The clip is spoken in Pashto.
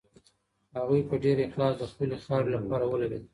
هغوی په ډېر اخلاص د خپلې خاورې لپاره ولوبېدل.